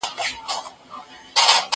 موبایل د زده کوونکي له خوا کارول کيږي؟